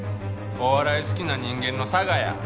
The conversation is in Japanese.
お笑い好きな人間の性や。